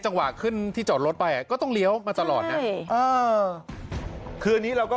จังหวะขึ้นที่จอดรถไปอ่ะก็ต้องเลี้ยวมาตลอดนะคืออันนี้เราก็